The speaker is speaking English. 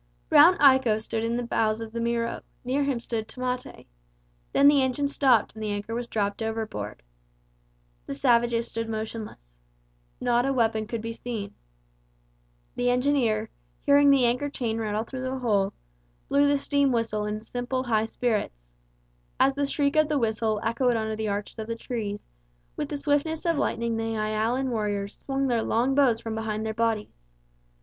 Brown Iko stood in the bows of the Miro; near him stood Tamate. Then the engine stopped and the anchor was dropped overboard. The savages stood motionless. Not a weapon could be seen. The engineer, hearing the anchor chain rattle through the hole, blew the steam whistle in simple high spirits. As the shriek of the whistle echoed under the arches of the trees, with the swiftness of lightning the Ialan warriors swung their long bows from behind their bodies.